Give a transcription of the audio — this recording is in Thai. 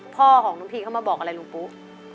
พ่อของน้องพีเข้ามาบอกอะไรลุงปุ๊